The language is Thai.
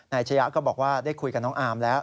ชะยะก็บอกว่าได้คุยกับน้องอามแล้ว